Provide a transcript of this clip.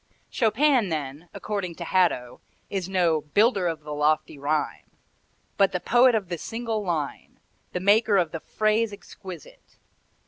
Chopin then, according to Hadow, is no "builder of the lofty rhyme," but the poet of the single line, the maker of the phrase exquisite.